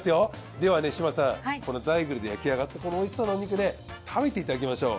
では志真さんこのザイグルで焼きあがったこの美味しそうなお肉食べていただきましょう。